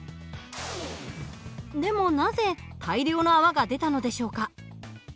でもなぜ大量の泡が出たのでしょうか？